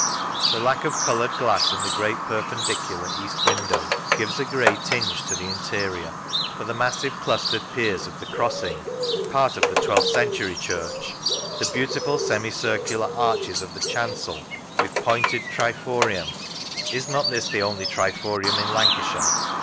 The lack of coloured glass in the great perpendicular east window gives a grey tinge to the interior, but the massive clustered piers of the crossing (part of the twelfth century church): the beautiful semicircular arches of the chancel, with pointed triforium (is not this the only triforium in Lancashire